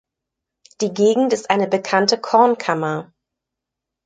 Die Gegend ist eine bekannte „Kornkammer“.